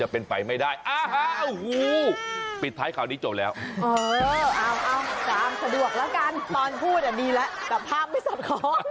ตอนพูดดีแล้วแต่ภาพไม่สดของ